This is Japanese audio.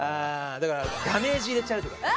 だからダメージ入れちゃうとかね。